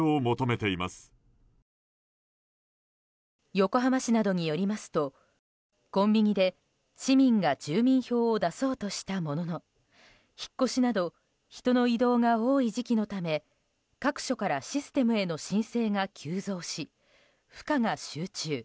横浜市などによりますとコンビニで市民が住民票を出そうとしたものの引っ越しなど人の移動が多い時期のため各所からシステムへの申請が急増し負荷が集中。